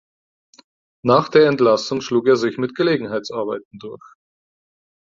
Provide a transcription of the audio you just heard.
Nach der Entlassung schlug er sich mit Gelegenheitsarbeiten durch.